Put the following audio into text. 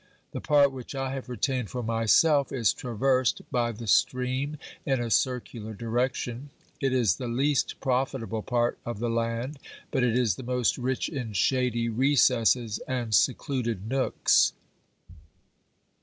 The part which I have retained for myself is traversed by the stream in a circular direction. It is the least pro fitable part of the land, but it is the most rich in shady recesses and secluded nooks.